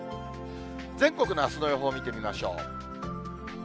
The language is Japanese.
全国のあすの予報を見てみましょう。